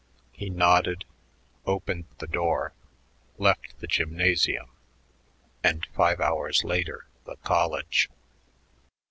He nodded, opened the door, left the gymnasium and five hours later the college.